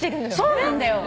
そうなんだよ。